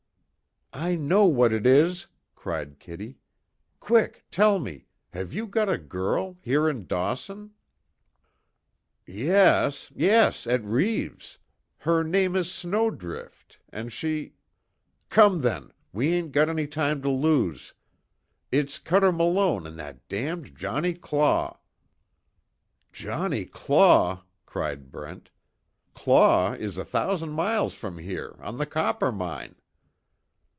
"I know what it is!" cried Kitty, "Quick tell me have you got a girl here in Dawson?" "Yes, yes at Reeves her name is Snowdrift, and she " "Come then we ain't got any time to lose! It's Cuter Malone and that damned Johnnie Claw " "Johnnie Claw!" cried Brent. "Claw is a thousand miles from here on the Coppermine!"